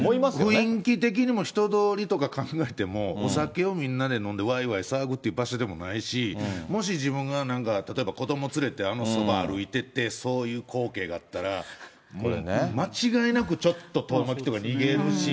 雰囲気的にも人通りとか考えても、お酒をみんなで飲んで、わいわい騒ぐって場所でもないし、もし自分がなんか、例えば、子ども連れてあのそば歩いてて、そういう光景があったら、間違いなくちょっと遠巻きとか、逃げるし。